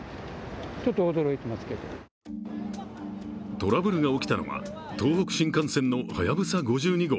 トラブルが起きたのは東北新幹線の「はやぶさ５２号」